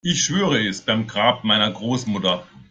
Ich schwöre es beim Grab meiner Großmutter.